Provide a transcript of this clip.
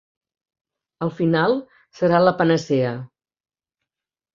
Al final, serà la panacea.